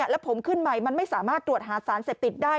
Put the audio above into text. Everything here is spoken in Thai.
แล้วผมขึ้นใหม่มันไม่สามารถตรวจหาสารเสพติดได้